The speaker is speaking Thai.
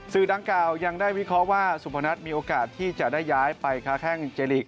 สื่อดังกล่าวยังได้วิเคราะห์ว่าสุพนัทมีโอกาสที่จะได้ย้ายไปค้าแข้งเจลีก